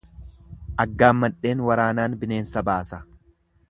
Aggaammadheen waraanaan bineensa baasa.